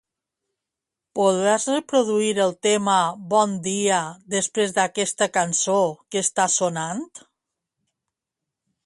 Podràs reproduir el tema "Bon dia" després d'aquesta cançó que està sonant?